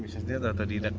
bisa sendiri atau otodidak